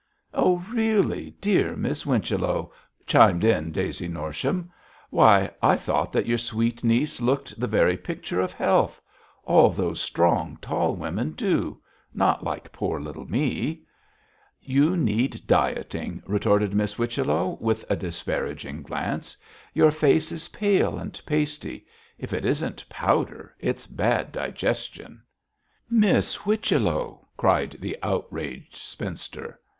'Oh, really, dear Miss Winchello,' chimed in Daisy Norsham. 'Why, I thought that your sweet niece looked the very picture of health. All those strong, tall women do; not like poor little me.' 'You need dieting,' retorted Miss Whichello, with a disparaging glance. 'Your face is pale and pasty; if it isn't powder, it's bad digestion.' 'Miss Whichello!' cried the outraged spinster.